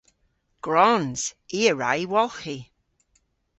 Gwrons! I a wra y wolghi.